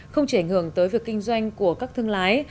không chỉ ảnh hưởng tới việc kinh doanh của các thương lái